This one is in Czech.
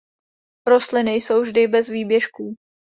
Rostliny jsou vždy bez výběžků.